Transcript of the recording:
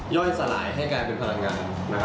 สลายให้กลายเป็นพลังงาน